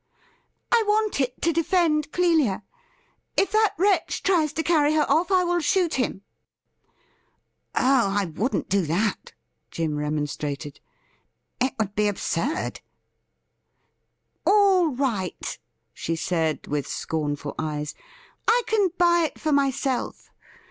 'I want it to defend Clelia. If that ^vretch tries to carry her off I will shoot him !' 'WHAT IS TO BE DONE FIRST?' 285 ' Oh ! I wouldn't do that,' Jim remonstrated. ' It would be absurd.' ' All right,' she said, with scornful eyes ;' I can buy it for myself.